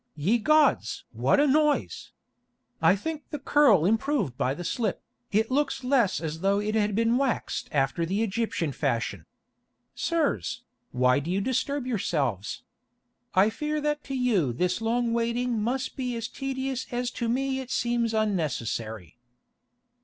Ye gods! what a noise! I think the curl improved by the slip. It looks less as though it had been waxed after the Egyptian fashion. Sirs, why do you disturb yourselves? I fear that to you this long waiting must be as tedious as to me it seems unnecessary."